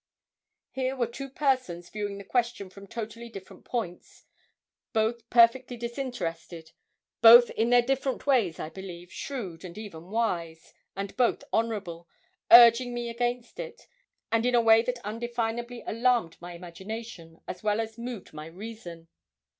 Here were two persons viewing the question from totally different points; both perfectly disinterested; both in their different ways, I believe, shrewd and even wise; and both honourable, urging me against it, and in a way that undefinably alarmed my imagination, as well as moved my reason.